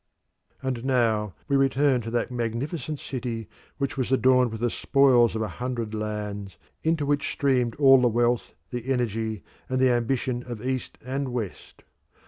And now we return to that magnificent city which was adorned with the spoils of a hundred lands, into which streamed all the wealth, the energy, and the ambition of East and West.